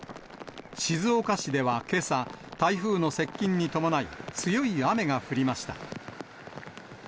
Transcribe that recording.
静岡市ではけさ、台風の接近に伴い、強い雨が降りました。